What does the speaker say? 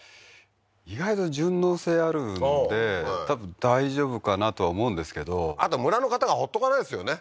意外と順応性あるので多分大丈夫かなとは思うんですけどあと村の方がほっとかないですよね